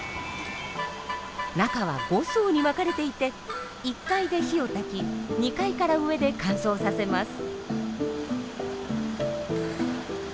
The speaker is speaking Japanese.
中は５層に分かれていて１階で火を焚き２階から上で乾燥させます。